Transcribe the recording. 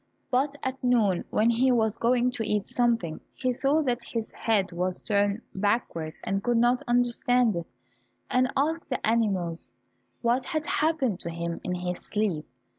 But at noon, when he was going to eat something, he saw that his head was turned backwards and could not understand it, and asked the animals what had happened to him in his sleep.